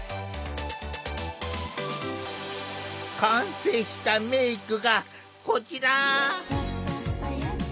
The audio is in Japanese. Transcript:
完成したメークがこちら！